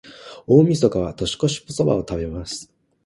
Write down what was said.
大晦日は、年越しそばを食べます。